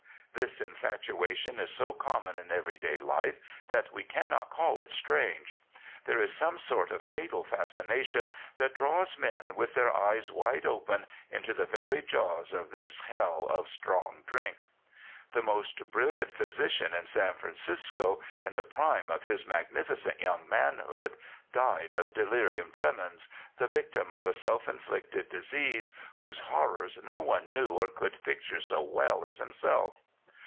This infatuation is so common in everyday life that we cannot call it strange. There is some sort of fatal fascination that draws men with their eyes wide open into the very jaws of this hell of strong drink. The most brilliant physician in San Francisco, in the prime of his magnificent young manhood, died of delirium tremens, the victim of a self inflicted disease, whose horrors no one knew or could picture so well as himself.